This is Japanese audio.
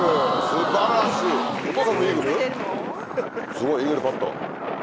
すごいイーグルパット。